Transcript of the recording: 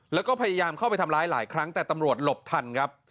แล้วก็พยายามเข้าไปทำร้ายหลายครั้งแต่ตำรวจหลบทันครับ